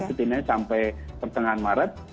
setidaknya sampai pertengahan maret